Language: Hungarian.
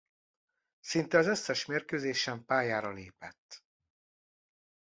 Szinte az összes mérkőzésen pályára lépett.